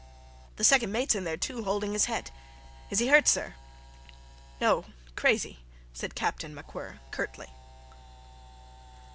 "The second mate's in there, too, holding his head. Is he hurt, sir?" "No crazy," said Captain MacWhirr, curtly.